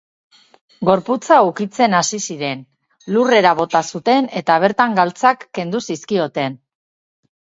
Gorputza ukitzen hasi ziren, lurrera bota zuten eta bertan galtzak kendu zizkioten.